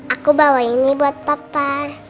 aku bawa ini buat papa